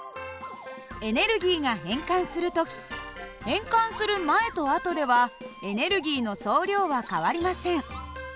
エネルギーが変換する時変換する前と後ではエネルギーの総量は変わりません。